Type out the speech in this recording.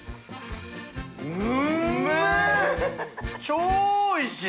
超おいしい！